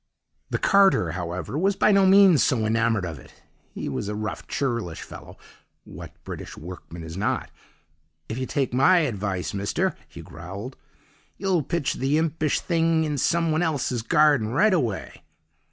"The carter, however, was by no means so enamoured of it; he was a rough, churlish fellow (what British workmen is not?). 'If you take my advice, mister!' he growled, 'you'll pitch the himpish thing in some one helse's garden rightaway.